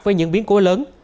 với những biến cố lớn